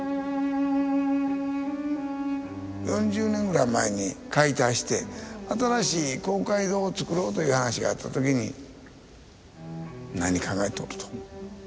４０年ぐらい前に解体して新しい公会堂をつくろうという話があった時に何考えとると。